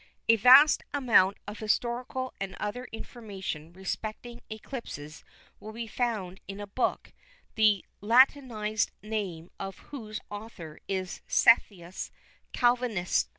A vast amount of historical and other information respecting eclipses will be found in a book, the latinised name of whose author is Sethus Calvisius.